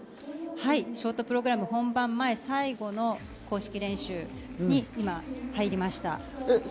ショートプログラム本番前、最後の公式練習に今、入りました。